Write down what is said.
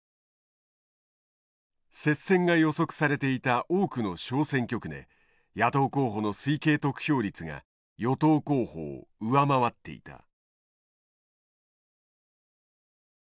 接戦が予測されていた多くの小選挙区で野党候補の推計得票率が与党候補を上回っていた。